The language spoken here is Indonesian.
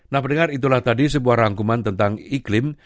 nah pendengar itulah tadi sebuah rangkuman tentang iklim